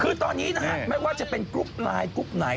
คือตอนนี้นะฮะไม่ว่าจะเป็นกรุ๊ปไลน์กรุ๊ปไหน